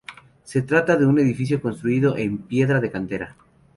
Se trata de un edificio construido en piedra de cantería.